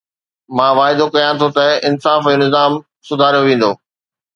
مان واعدو ڪيان ٿو ته انصاف جو نظام سڌاريو ويندو.